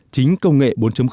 chính công nghệ bốn